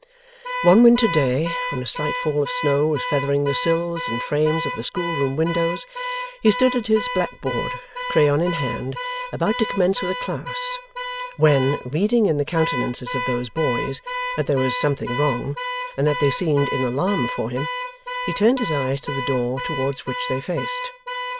One winter day when a slight fall of snow was feathering the sills and frames of the schoolroom windows, he stood at his black board, crayon in hand, about to commence with a class; when, reading in the countenances of those boys that there was something wrong, and that they seemed in alarm for him, he turned his eyes to the door towards which they faced.